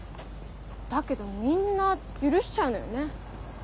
だけどみんな許しちゃうのよね。